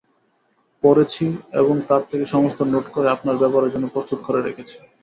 পড়েছি এবং তার থেকে সমস্ত নোট করে আপনার ব্যবহারের জন্য প্রস্তুত করে রেখেছি।